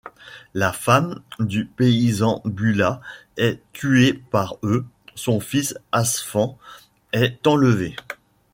La femme du paysan Bulat est tuée par eux, son fils Asfan est enlevé.